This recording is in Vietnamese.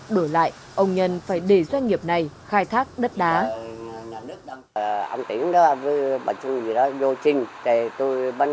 đổi lại ông nhân phải để doanh nghiệp này khai thác đất đá